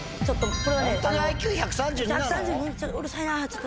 ちょっと！